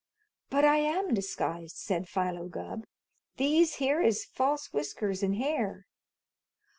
"But I am disguised," said Philo Gubb. "These here is false whiskers and hair."